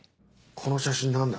この写真何だ？